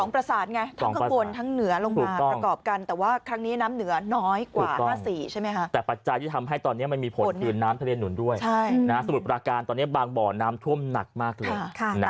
๒ประสานไงทั้งข้างบนทั้งเหนือลงมาประกอบกัน